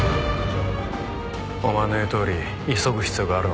お前の言うとおり急ぐ必要があるのかもな。